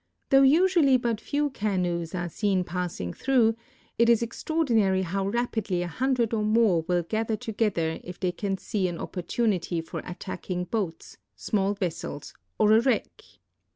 Though usually but few canoes are seen in passing through, it is extraordinary how rapidly a hundred or more will gather together if they see an opportunity for attacking boats, small vessels, or a wreck.